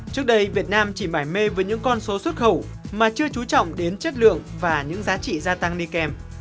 trước đây việt nam chỉ mải mê với những con số xuất khẩu mà chưa trú trọng đến chất lượng và những giá trị gia tăng đi kèm